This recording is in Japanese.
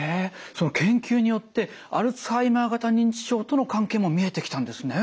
研究によってアルツハイマー型認知症との関係も見えてきたんですね。